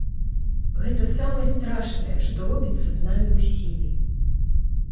Гэта самае страшнае, што робіцца з намі ўсімі.